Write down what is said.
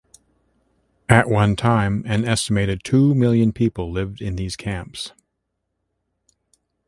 At one time, an estimated two million people lived in these camps.